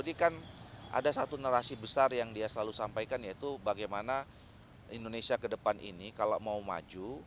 kan ada satu narasi besar yang dia selalu sampaikan yaitu bagaimana indonesia ke depan ini kalau mau maju